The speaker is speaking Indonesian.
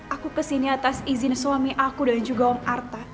aku kesini atas izin suami aku dan juga om artha